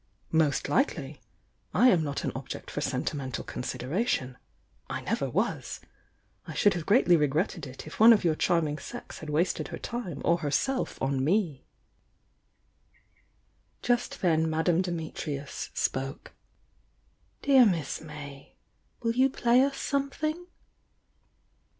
"Most likely! I am not an object for sentimen tal consideration, — I never was. I should have greatly regretted it if one of your charming sex had wasted her time or herself on me." Just then Madame Dimitrius spoke. "Dear Miss May, will you play us something?"